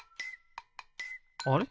あれ？